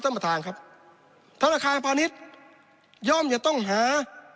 ท่านประธานครับธนาคารพาณิชย่อมจะต้องหา